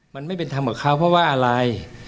มันไม่เป็นธรรมกับเขาเพราะว่าอะไร